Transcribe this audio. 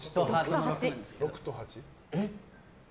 えっ？